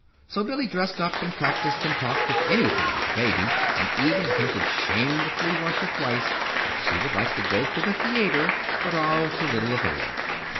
So Billy "dressed up," and practiced, and talked (of anything but the baby), and even hinted shamelessly once or twice that she would like to go to the theater; but all to little avail.